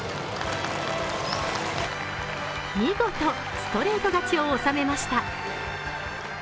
見事ストレート勝ちを収めました。